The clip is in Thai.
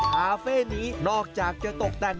คาเฟ่นี้นอกจากจะตกแต่ง